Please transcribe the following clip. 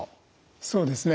そうですね。